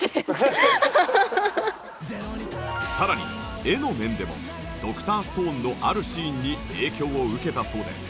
さらに絵の面でも『Ｄｒ．ＳＴＯＮＥ』のあるシーンに影響を受けたそうで。